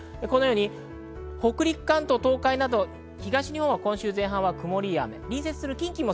北陸、関東、東海など東日本は今週前半は曇りや雨。